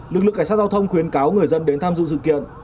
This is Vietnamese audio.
lực lượng cảnh sát giao thông khuyến cáo người dân đến tham dự sự kiện